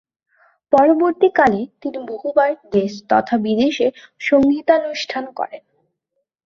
পরবর্তীকালে, তিনি বহুবার দেশ তথা বিদেশে সঙ্গীতানুষ্ঠান করেন।